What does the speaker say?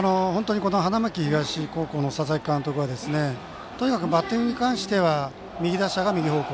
花巻東高校の佐々木監督はとにかくバッティングに関しては右打者が右方向